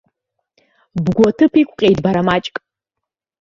Бгәы аҭыԥ иқәҟьеит бара маҷк.